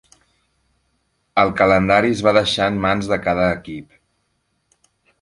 El calendari es va deixar en mans de cada equip.